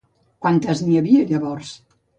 Quantes n'hi havia llavors?